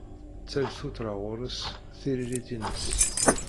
Tal tuttra ɣur-s tiririt-ines.